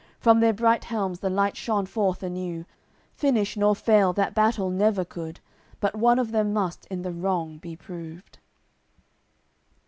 From their bright helms the light shone forth anew. Finish nor fail that battle never could But one of them must in the wrong be proved.